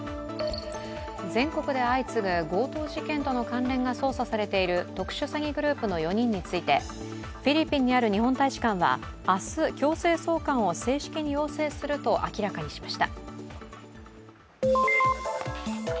全国で相次ぐ強盗事件との関連が捜査されている特殊詐欺グループの４人についてフィリピンにある日本大使館は明日、強制送還を正式に要請すると明らかにしました。